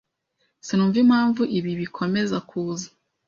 Sinumva impamvu ibi bikomeza kuza.